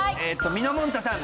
みのもんたさん。